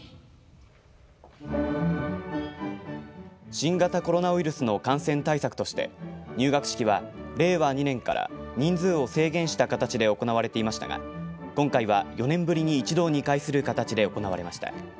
新型コロナウイルスの感染対策として入学式は令和２年から人数を制限した形で行われていましたが今回は４年ぶりに一堂に会する形で行われました。